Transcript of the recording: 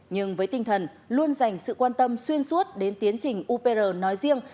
nhưng với tinh thần luôn dành sự quan tâm xuyên suốt đến tiến trình upr nói riêng